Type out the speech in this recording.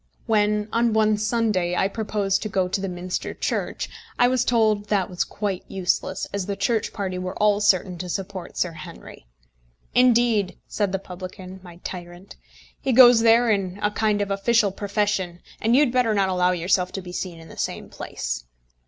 When, on one Sunday, I proposed to go to the Minster Church, I was told that was quite useless, as the Church party were all certain to support Sir Henry! "Indeed," said the publican, my tyrant, "he goes there in a kind of official profession, and you had better not allow yourself to be seen in the same place."